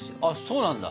そうなんだ。